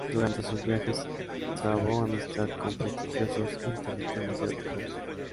Durante sus viajes trabó amistad con prestigiosos intelectuales europeos.